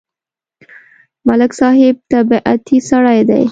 ملک صاحب طبیعتی سړی دی.